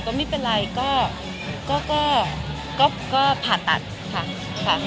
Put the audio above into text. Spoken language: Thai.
ก็ไม่เป็นไรก็ผ่าตัดค่ะ